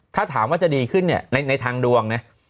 ถ้าถามว่าจะดีขึ้นเนี่ยในทางดวงนะ